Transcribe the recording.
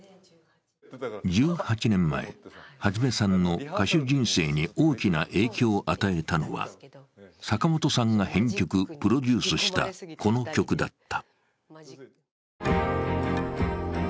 １８年前、元さんの歌手人生に大きな影響を与えたのは、坂本さんが編曲・プロデュースしたこの曲だった。